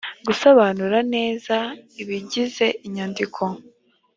gusobanura neza ibigize inyandiko